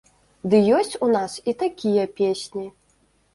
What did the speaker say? Ды ёсць у нас і такія песні!